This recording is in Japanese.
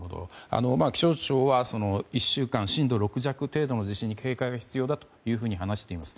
気象庁は１週間震度６弱程度の地震に警戒が必要だと話しています。